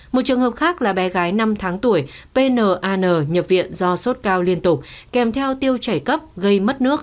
một trường hợp khác là bé gái năm tháng tuổi pna nhập viện do sốt cao liên tục kèm theo tiêu chảy cấp gây mất nước